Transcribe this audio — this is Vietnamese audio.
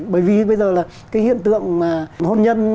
bởi vì bây giờ là cái hiện tượng hôn nhân